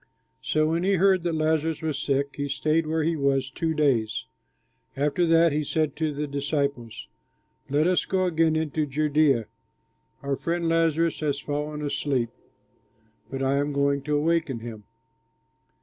So when he heard that Lazarus was sick, he stayed where he was two days. After that he said to the disciples, "Let us go again into Judea. Our friend Lazarus has fallen asleep, but I am going to waken him."